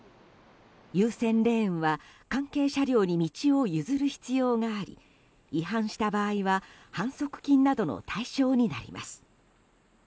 優先レーンは関係車両に道を譲る必要があり違反した場合は反則金などの対象になります。